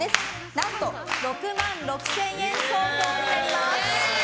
何と６万６０００円相当になります！